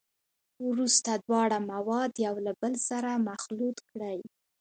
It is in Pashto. وروسته دواړه مواد یو له بل سره مخلوط کړئ.